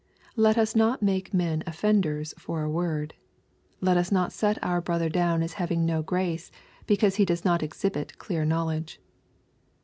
Let us not make men offenders for a word. Let us not set our brother down as having no grace, because he does not exhibit clear knowledge.